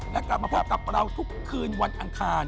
และกลับมาพบกับเราทุกคืนวันอังคาร